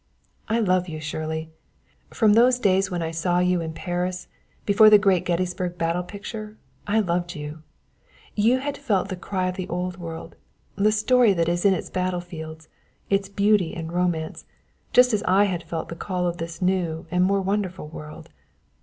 "I love you, Shirley! From those days when I saw you in Paris, before the great Gettysburg battle picture, I loved you. You had felt the cry of the Old World, the story that is in its battle fields, its beauty and romance, just as I had felt the call of this new and more wonderful world.